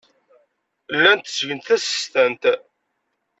Llant ttgent tasestant.